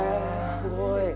すごい！